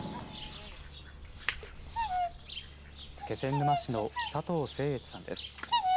気仙沼市の佐藤誠悦さんです。